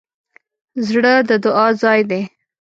زړه د دعا ځای دی.